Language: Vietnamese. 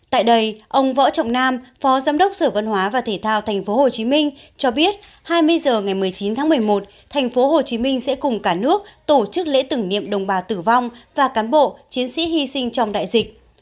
tại đây ông võ trọng nam phó giám đốc sở văn hóa và thể thao tp hcm cho biết hai mươi h ngày một mươi chín tháng một mươi một tp hcm sẽ cùng cả nước tổ chức lễ tưởng niệm đồng bào tử vong và cán bộ chiến sĩ hy sinh trong đại dịch